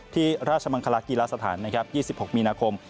ที่ราชมังคลากีฬาสถาน๒๖มีนาคม